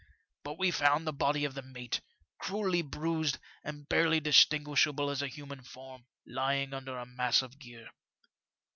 But we found the body of the mate, cruelly bruised and barely distinguishable as a human form, lying under a mass of gear.